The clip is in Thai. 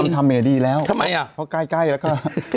ทำใหม่ดีแล้วเพราะใกล้แล้วก็